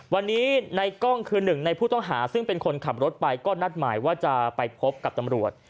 วันนี้ในกล้องคือหนึ่งในผู้ต้องหาซึ่งเป็นคนขับรถไปก็นัดหมายว่าจะไปพบกับตำรวจ